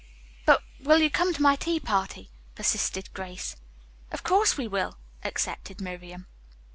"But will you come to my tea party?" persisted Grace. "Of course we will," accepted Miriam.